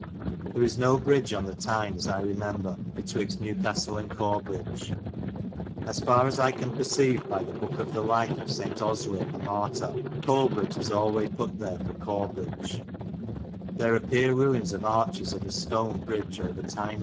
There is no bridge on Tyne, as I remembre, bytwixt Newcastelle and Corbridge. As far as I can perceyve by the boke of the life of S. Oswin the martyr, Colebrige is alway put ther for Corbridge. Colebridge, There appere ruines of arches of a stone bridge over Tyne fo.